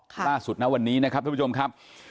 ล่าสุดนะวันนี้นะครับทุกผู้ชมครับ